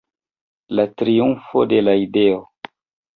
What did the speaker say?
La triumfo de la ideo!